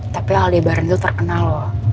tapi aldebaran itu terkenal loh